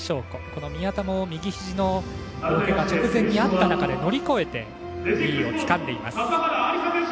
この宮田も、右ひじのけがが直前にあった中で乗り越えて２位をつかんでいます。